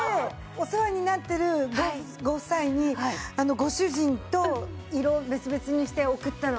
お世話になってるご夫妻にご主人と色を別々にして送ったの。